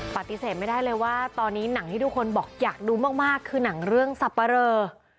ปฏิเสธไม่ได้เลยว่าตอนนี้หนังที่ทุกคนบอกอยากดูมากคือหนังเรื่องสับปะเรอ